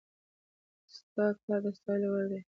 ستا کار د ستايلو وړ دی